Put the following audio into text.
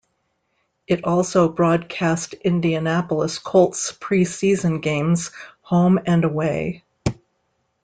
It also broadcast Indianapolis Colts preseason games, home and away.